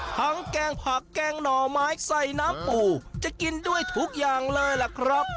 แกงผักแกงหน่อไม้ใส่น้ำปูจะกินด้วยทุกอย่างเลยล่ะครับ